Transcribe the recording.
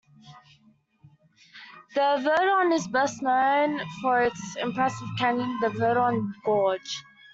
The Verdon is best known for its impressive canyon: the Verdon Gorge.